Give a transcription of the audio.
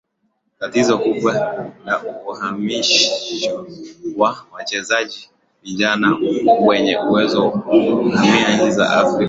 Tatizo kubwa ni uhamisho wa wachezaji vijana wenye uwezo kuhamia nje ya Afrika